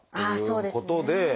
ああそうですね。